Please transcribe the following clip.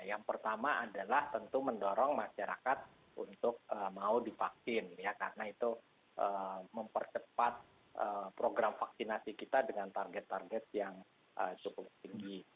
yang pertama adalah tentu mendorong masyarakat untuk mau divaksin ya karena itu mempercepat program vaksinasi kita dengan target target yang cukup tinggi